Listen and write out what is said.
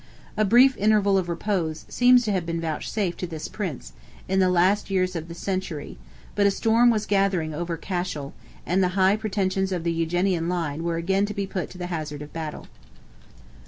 A brief interval of repose seems to have been vouchsafed to this Prince, in the last years of the century; but a storm was gathering over Cashel, and the high pretensions of the Eugenian line were again to be put to the hazard of battle.